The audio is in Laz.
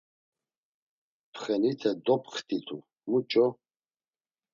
Pxenite doptxitu, muç̌o?